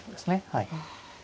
はい。